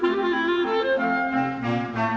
สวัสดีครับสวัสดีครับ